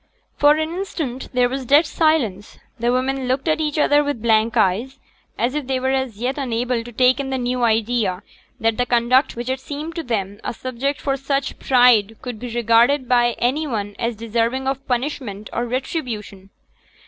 For an instant there was dead silence. The women looked at each other with blank eyes, as if they were as yet unable to take in the new idea that the conduct which had seemed to them a subject for such just pride could be regarded by any one as deserving of punishment or retribution.